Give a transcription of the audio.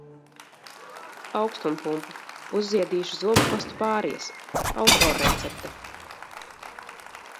Aukstumpumpa, uzziedīšu zobupastu, pāries. Autorrecepte.